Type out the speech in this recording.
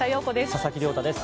佐々木亮太です。